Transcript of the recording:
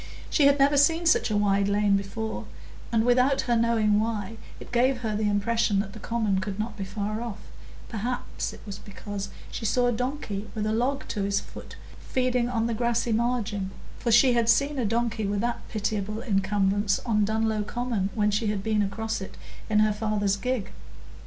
She had never seen such a wide lane before, and, without her knowing why, it gave her the impression that the common could not be far off; perhaps it was because she saw a donkey with a log to his foot feeding on the grassy margin, for she had seen a donkey with that pitiable encumbrance on Dunlow Common when she had been across it in her father's gig.